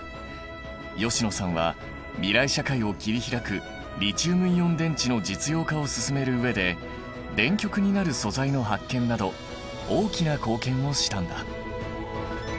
吉野さんは未来社会を切り開くリチウムイオン電池の実用化を進める上で電極になる素材の発見など大きな貢献をしたんだ。